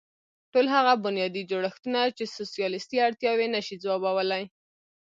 ټول هغه بنیادي جوړښتونه چې سوسیالېستي اړتیاوې نه شي ځوابولی.